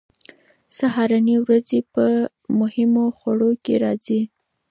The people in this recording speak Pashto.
سهارنۍ د ورځې په مهمو خوړو کې راځي.